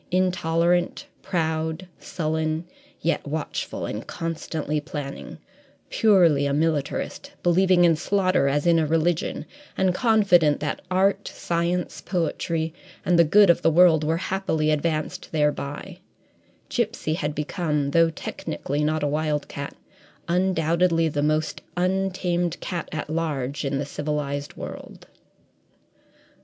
Intolerant, proud, sullen, yet watchful and constantly planning purely a militarist, believing in slaughter as in a religion, and confident that art, science, poetry, and the good of the world were happily advanced thereby Gipsy had become, though technically not a wildcat, undoubtedly the most untamed cat at large in the civilized world.